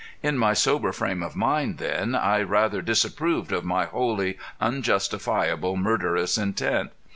In my sober frame of mind then I rather disapproved of my wholly unjustifiable murderous intent.